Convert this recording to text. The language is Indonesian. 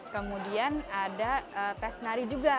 kemudian ada tes nari juga